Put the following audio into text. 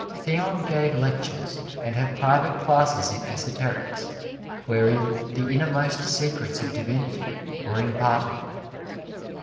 Theon gave lectures, and had private classes in esoterics, wherein the innermost secrets of divinity were imparted.